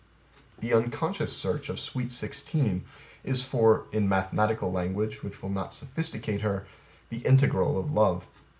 The unconscious search of sweet sixteen is for (in mathematical language which will not sophisticate her) the integral of love.